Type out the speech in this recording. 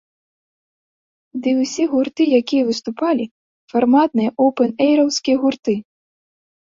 Ды і ўсе гурты, якія выступалі, фарматныя оўпэн-эйраўскія гурты.